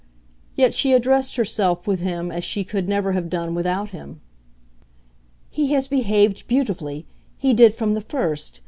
Yet she addressed herself with him as she could never have done without him. "He has behaved beautifully he did from the first.